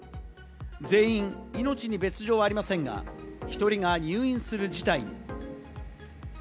全員、命に別条はありませんが、１人が入院する事態に。